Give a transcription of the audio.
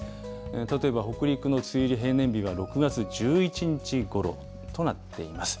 例えば、北陸の梅雨入り、平年日は６月１１日ごろとなっています。